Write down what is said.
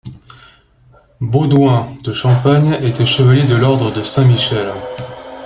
Baudouin de Champagne était chevalier de l'ordre de Saint-Michel.